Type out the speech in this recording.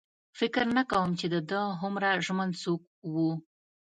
فکر نه کوم چې د ده هومره ژمن څوک و.